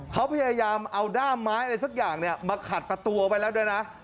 เขาพยายามเอาด้ามไม้อะไรสักอย่างมาขัดประตูเอาไว้แล้วด้วยนะ